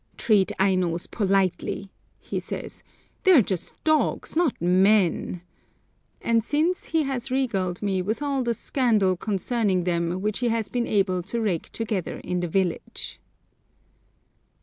"Treat Ainos politely!" he says; "they're just dogs, not men;" and since he has regaled me with all the scandal concerning them which he has been able to rake together in the village.